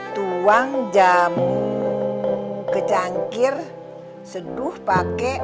tuang jamu ke cangkir seduh pakai